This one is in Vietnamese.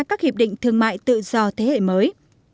các hiệp định thương mại tự do thế hệ mới